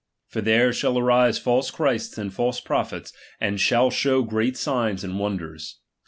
For there shall arise false Christs and false prophets, and shall show great signs and wonders, &c.